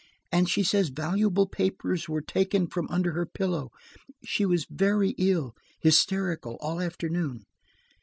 And she says valuable papers were taken from under her pillow. She was very ill–hysterical, all afternoon."